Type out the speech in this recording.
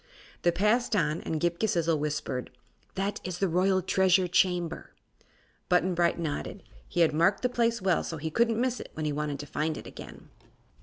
They passed on, and Ghip Ghisizzle whispered: "That is the Royal Treasure Chamber." Button Bright nodded. He had marked the place well, so he couldn't miss it when he wanted to find it again.